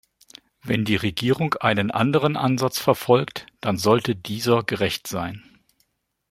Wenn die Regierung einen anderen Ansatz verfolgt, dann sollte dieser gerecht sein.